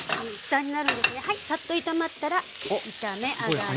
サッと炒まったら炒め上がり。